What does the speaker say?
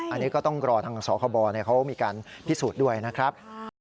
อันนี้ก็ต้องรอทางสคบเขามีการพิสูจน์ด้วยนะครับ